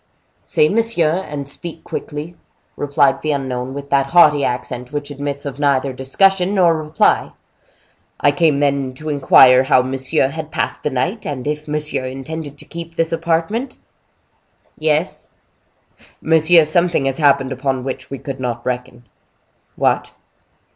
"Say monsieur, and speak quickly," replied the unknown, with that haughty accent which admits of neither discussion nor reply. "I came, then, to inquire how monsieur had passed the night, and if monsieur intended to keep this apartment?" "Yes." "Monsieur, something has happened upon which we could not reckon." "What?"